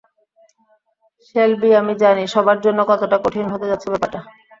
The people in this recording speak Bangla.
শেলবি আমি জানি সবার জন্য কতটা কঠিন হতে যাচ্ছে ব্যাপারটা।